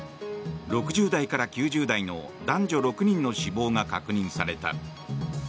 ６０代から９０代の男女６人の死亡が確認された。